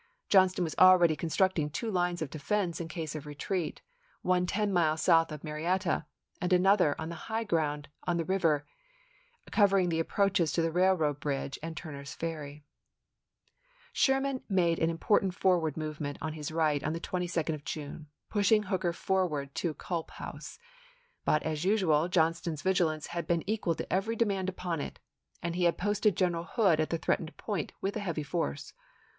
Johnston was already constructing two lines of defense in case of retreat, one ten miles south of Marietta, and another on the high ground on the "Narrative river, covering the approaches to the railroad ofo^erl?ry bridge and Turner's Ferry. ^345. 22 ABRAHAM LINCOLN chap. i. Sherman made an important forward movement 1864. on his right on the 22d of June, pushing Hooker forward to the Kulp House ; but, as usual, John ston's vigilance had been equal to every demand upon it, and he had posted General Hood at the threatened point with a heavy force.